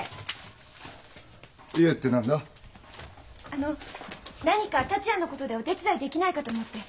あの何か達也のことでお手伝いできないかと思って。